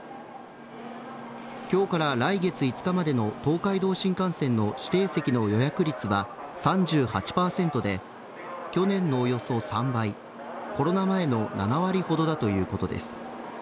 今日から来月５日までの東海道新幹線の指定席の予約率は３８％で去年のおよそ３倍コロナ前の７割ほどだということです。